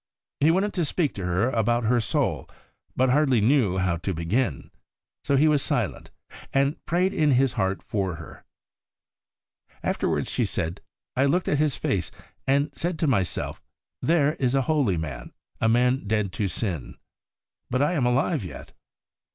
He wanted to speak to her about her soul, but hardly knew how to begin, so he was silent, and prayed in his heart for her. Afterwards she said, ' I looked at his face, and said to myself, "There is a holy man, a man dead to sin. But I am alive yet."